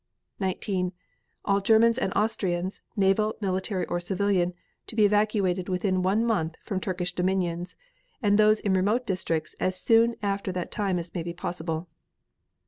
19. All Germans and Austrians, naval, military or civilian, to be evacuated within one month from Turkish dominions, and those in remote districts as soon after that time as may be possible.